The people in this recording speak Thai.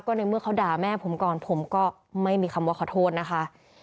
ในเมื่อเขาด่าแม่ผมก่อนผมก็ไม่มีคำว่าขอโทษนะคะ